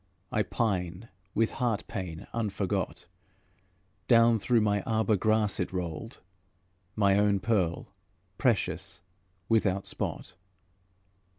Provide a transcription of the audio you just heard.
I pine with heart pain unforgot; Down through my arbour grass it rolled, My own pearl, precious, without spot.